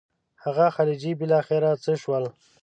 هغه خلجي بالاخره څه شول.